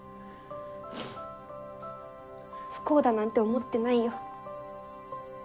不幸だなんて思ってないよ